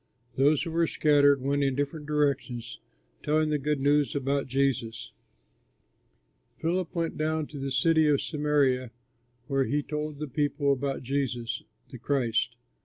Those who were scattered went in different directions telling the good news about Jesus. Philip went down to the city of Samaria, where he told the people about Jesus, the Christ.